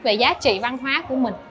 về giá trị văn hóa của mình